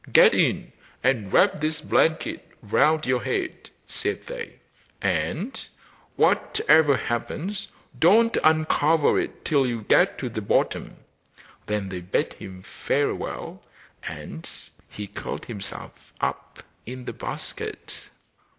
'Get in, and wrap this blanket round your head,' said they; 'and, whatever happens, don't uncover it till you get to the bottom.' Then they bade him farewell, and he curled himself up in the basket.